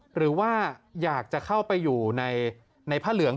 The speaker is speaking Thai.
หรือว่าอยากจะเข้าไปอยู่ในผ้าเหลือง